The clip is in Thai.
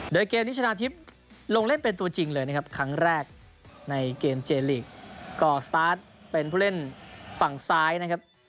โดยเกมนี้ชนะทิพย์ลงเล่นเป็นตัวจริงเลยนะครับครั้งแรกในเกมเจลีกก็สตาร์ทเป็นผู้เล่นฝั่งซ้ายนะครับ